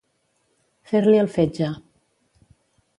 Fer-li el fetge.